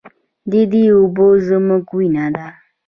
د دې اوبه زموږ وینه ده